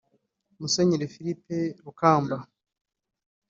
Musenyeri Philippe Rukamba